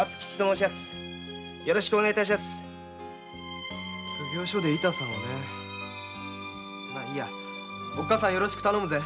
まぁいいやおっかさんをよろしく頼むぜ。